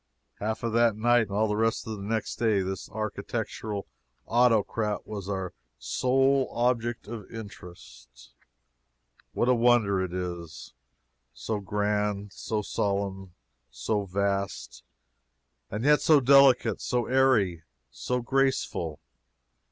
Half of that night, and all of the next day, this architectural autocrat was our sole object of interest. What a wonder it is! So grand, so solemn, so vast! And yet so delicate, so airy, so graceful!